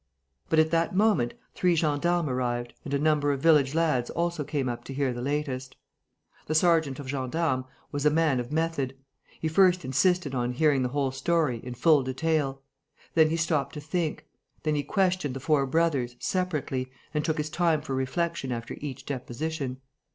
But, at that moment, three gendarmes arrived; and a number of village lads also came up to hear the latest. The sergeant of gendarmes was a man of method. He first insisted on hearing the whole story, in full detail; then he stopped to think; then he questioned the four brothers, separately, and took his time for reflection after each deposition.